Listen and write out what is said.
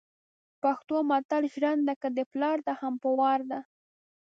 پښتو متل ژرنده که دپلار ده هم په وار ده